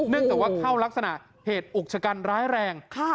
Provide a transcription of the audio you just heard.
เนื่องจากว่าเข้ารักษณะเหตุอุกชกรรมร้ายแรง